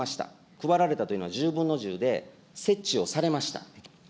配られたというのは、１０分の１０で設置をされました。